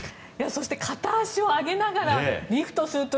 そして片足を上げながらリフトすると。